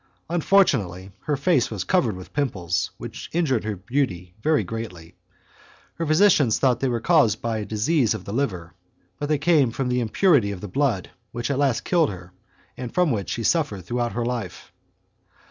Unfortunately her face was covered with pimples, which injured her beauty very greatly. Her physicians thought that they were caused by a disease of the liver, but they came from impurity of the blood, which at last killed her, and from which she suffered throughout her life.